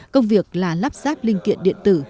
công việc là lắp ráp linh kiện điện tử